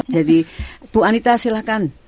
jadi bu anita silahkan